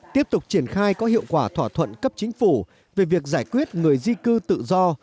tiếp tục triển khai có hiệu quả thỏa thuận cấp chính phủ về việc giải quyết người di cư tự do